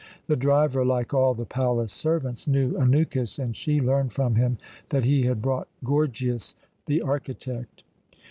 The driver, like all the palace servants, knew Anukis, and she learned from him that he had brought Gorgias, the architect.